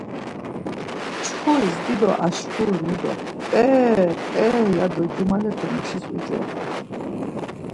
Mçxuris dido aşkurinu do p̌eee p̌eee ya do cumalepe muşis ucoxu.